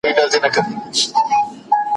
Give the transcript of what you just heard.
پوهنتون د پوهي مرکز دی.